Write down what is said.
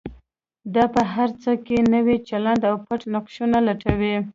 دا په هر څه کې نوی چلند او پټ نقشونه لټوي.